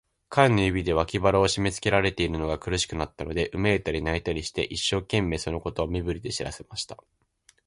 彼の指で、脇腹をしめつけられているのが苦しくなったので、うめいたり、泣いたりして、一生懸命、そのことを身振りで知らせました。